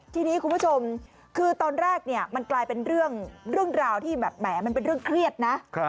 ทีนี้คุณผู้ชมคือตอนแรกเนี่ยมันกลายเป็นเรื่องราวที่แบบแหมมันเป็นเรื่องเครียดนะ